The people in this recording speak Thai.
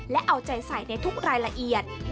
และเอาใจใส่ในทุกรายละเอียด